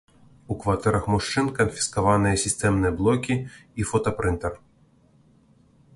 У кватэрах мужчын канфіскаваныя сістэмныя блокі і фотапрынтэр.